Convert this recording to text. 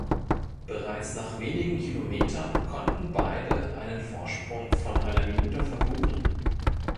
Bereits nach wenigen Kilometern konnten beide einen Vorsprung von einer Minute verbuchen.